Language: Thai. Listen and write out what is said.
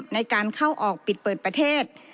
ในการเข้าออกปิดเปิดประเทศ